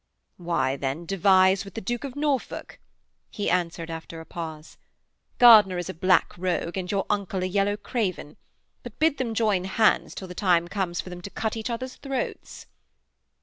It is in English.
'Why, then, devise with the Duke of Norfolk,' he answered after a pause. 'Gardiner is a black rogue and your uncle a yellow craven; but bid them join hands till the time comes for them to cut each other's throats.'